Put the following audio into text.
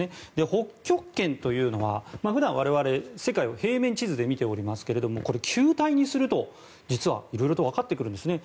北極圏というのは普段、我々世界を平面地図で見ておりますけれどもこれ、球体にすると実は色々とわかってくるんですね。